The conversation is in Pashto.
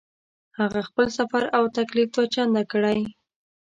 هغه خپل سفر او تکلیف دوه چنده کړی.